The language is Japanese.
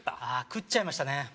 ああ食っちゃいましたね